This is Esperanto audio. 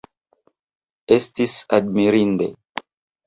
Estis admirinde!